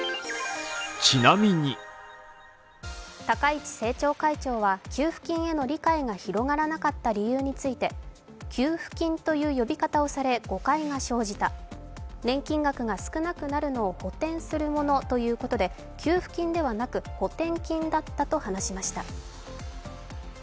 高市政調会長は給付金への理解が広がらなかった理由について給付金という呼び方をされ誤解が生じた年金額が少なくなるのを補填するものということで給付金ではなく、補填金だったと話しました。